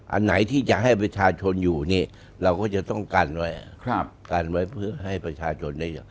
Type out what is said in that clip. อันไหนที่จะให้ประชาชนอยู่นี่เราก็จะต้องกันไว้กันไว้เพื่อให้ประชาชนได้